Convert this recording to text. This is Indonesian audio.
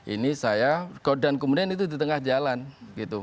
ini saya dan kemudian itu di tengah jalan gitu